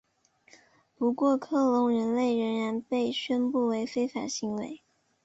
不过克隆人类仍然被宣布为非法行为。